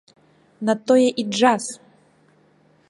На тое і джаз!